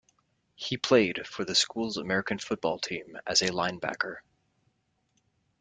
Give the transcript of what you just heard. He played for the school's American football team as a linebacker.